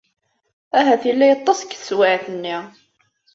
Ahat yella yeṭṭes deg teswiɛt-nni.